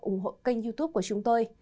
ủng hộ kênh youtube của chúng tôi